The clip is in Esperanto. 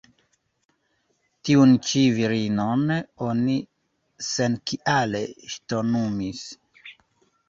Tiun ĉi virinon oni senkiale ŝtonumis.